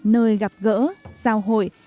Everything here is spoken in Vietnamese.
nơi gặp gỡ giao hội